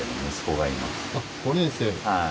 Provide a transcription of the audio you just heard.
はい。